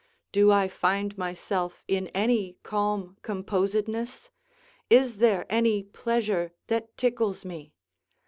Do I find myself in any calm composedness? is there any pleasure that tickles me?